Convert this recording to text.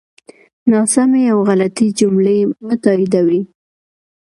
ناسمی او غلطی جملی مه تاییدوی